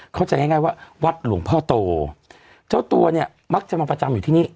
เข้าใจง่ายง่ายว่าวัดหลวงพ่อโตเจ้าตัวเนี่ยมักจะมาประจำอยู่ที่นี่